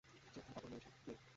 Check থেকে কাপড় নিয়ে নিও।